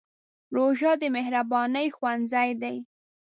روژه د مهربانۍ ښوونځی دی.